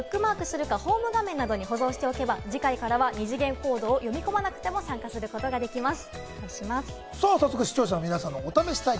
ページをブックマークするか、ホーム画面などに保存しておけば、次回からは二次元コードを読み込まなくても参加することができます。